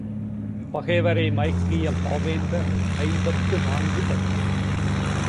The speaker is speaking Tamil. பகைவரை மயக்கிய பாவேந்தர் ஐம்பத்து நான்கு பத்து.